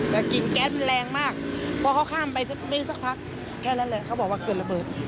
แต่กิ่งแก๊สมันแรงมากเพราะเขาข้ามไปสักพักแค่นั้นแหละเขาบอกว่าเกิดระเบิด